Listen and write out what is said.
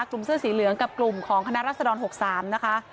เสื้อสีเหลืองกับกลุ่มของคณะรัศดร๖๓นะคะ